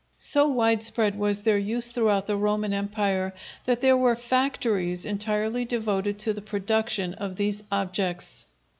So widespread was their use throughout the Roman Empire, that there were factories entirely devoted to the production of these objects.